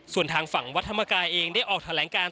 ส่วนทางฝั่งวัดธรรมกายเองได้ออกแถลงการ